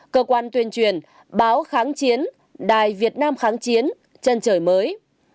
cơ quan tuyên truyền báo kháng chiến đài việt nam kháng chiến trần trời mới